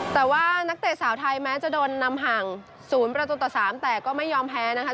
แต่ว่านักเตะสาวไทยแม้จะโดนนำห่าง๐ประตูต่อ๓แต่ก็ไม่ยอมแพ้นะคะ